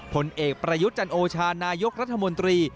ผลเอกประยุทธ์จันโอชานายกรัฐมนตรี